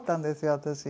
私。